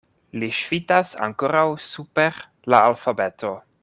Li ŝvitas ankoraŭ super la alfabeto.